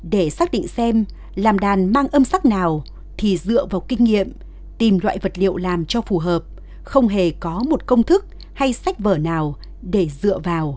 để xác định xem làm đàn mang âm sắc nào thì dựa vào kinh nghiệm tìm loại vật liệu làm cho phù hợp không hề có một công thức hay sách vở nào để dựa vào